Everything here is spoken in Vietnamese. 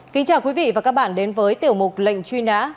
kính chào quý vị và các bạn đến với tiểu mục lệnh truy nã